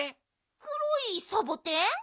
くろいサボテン？